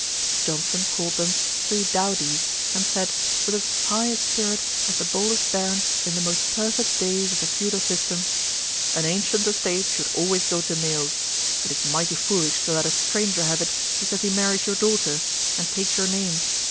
Johnson called them 'three dowdies,' and said, with as high a spirit as the boldest Baron in the most perfect days of the feudal system, 'An ancient estate should always go to males. It is mighty foolish to let a stranger have it because he marries your daughter, and takes your name.